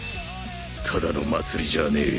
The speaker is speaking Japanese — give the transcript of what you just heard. ただの祭りじゃねえ。